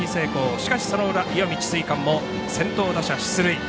しかし、その裏、石見智翠館も先頭打者出塁。